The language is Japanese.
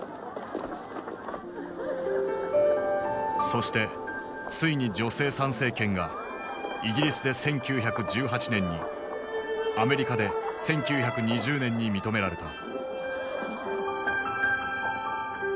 そしてついに女性参政権がイギリスで１９１８年にアメリカで１９２０年に認められた。